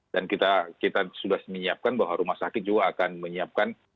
dan kita sudah menyiapkan bahwa rumah sakit juga akan menyiapkan